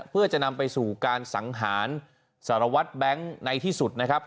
เพื่อจะนำไปสู่การสังหารสารวัตรแบงค์ในที่สุดนะครับ